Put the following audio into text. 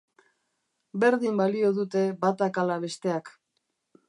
Berdin balio dute batak ala besteak.